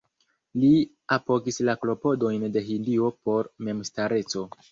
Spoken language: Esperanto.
Li apogis la klopodojn de Hindio por memstareco.